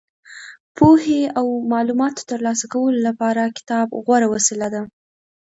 پوهې او معلوماتو ترلاسه کولو لپاره کتاب غوره وسیله ده.